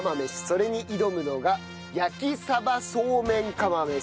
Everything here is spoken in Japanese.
それに挑むのが焼鯖そうめん釜飯。